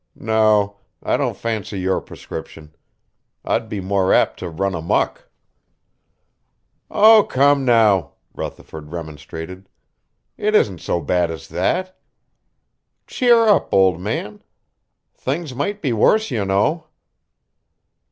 No, I don't fancy your prescription. I'd be more apt to run amuck." "Oh, come now," Rutherford remonstrated. "It isn't so bad as that. Cheer up, old man. Things might be worse, you know.